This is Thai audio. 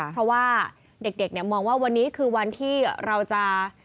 เพราะว่าเด็กเนี่ยมองว่าวันนี้คือวันที่เราจะ